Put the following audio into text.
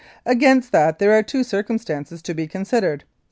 Against that there are two circumstances to be considered.